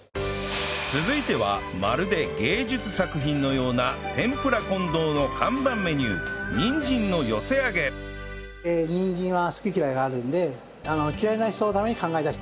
続いてはまるで芸術作品のようなてんぷら近藤の看板メニューにんじんは好き嫌いがあるので嫌いな人のために考え出した。